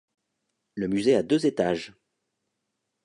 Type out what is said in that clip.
Le musée a deux étages.